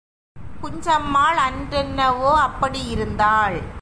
குஞ்சம்மாள் அன்றென்னவோ அப்படியிருந்தாள்.